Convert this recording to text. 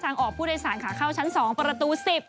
ออกผู้โดยสารขาเข้าชั้น๒ประตู๑๐